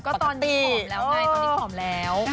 ก็ตอนนี้ผอมแล้วไงตอนนี้ผอมแล้ว